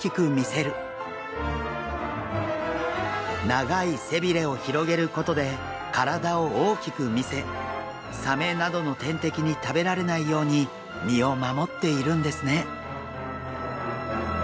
長い背びれを広げることで体を大きく見せサメなどの天敵に食べられないように身を守っているんですね。